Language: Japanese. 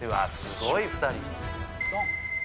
すごい２人。